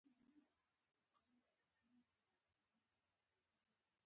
دا ور بند که یخ دی.